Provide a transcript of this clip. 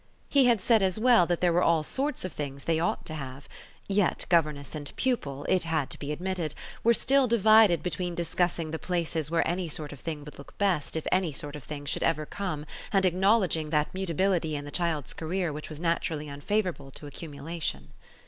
He had said as well that there were all sorts of things they ought to have; yet governess and pupil, it had to be admitted, were still divided between discussing the places where any sort of thing would look best if any sort of thing should ever come and acknowledging that mutability in the child's career which was naturally unfavourable to accumulation.